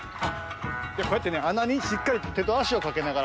こうやってねあなにしっかりとてとあしをかけながらね